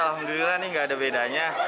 alhamdulillah ini tidak ada bedanya